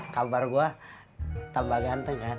kabar gue tambah ganteng kan